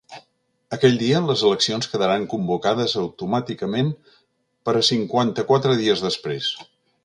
Aquell dia, les eleccions quedaran convocades automàticament per a cinquanta-quatre dies després.